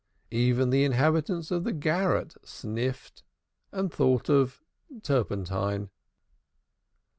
Even the inhabitants of the garrets sniffed and thought of turpentine.